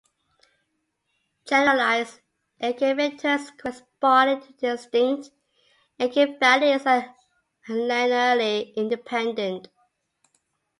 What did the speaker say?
Generalized eigenvectors corresponding to distinct eigenvalues are linearly independent.